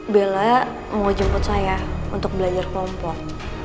bella mau jemput saya untuk belajar kelompok